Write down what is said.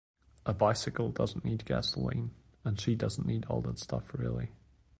A bicycle doesn't need gasoline and she doesn't need all that stuff really.